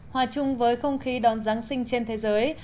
hòa chung với không khí đón giáng sinh trên thế giới